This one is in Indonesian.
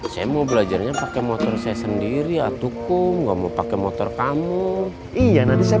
saya mau belajarnya pakai motor saya sendiri atauku nggak mau pakai motor kamu iya nanti saya